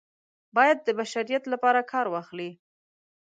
باید چې د بشریت لپاره کار واخلي.